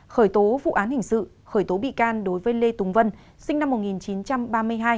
khởi tố vụ án hình sự khởi tố bị can đối với lê tùng vân sinh năm một nghìn chín trăm ba mươi hai